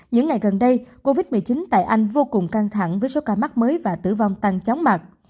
những ngày gần đây covid một mươi chín tại anh vô cùng căng thẳng với số ca mắc mới và tử vong tăng chóng mặt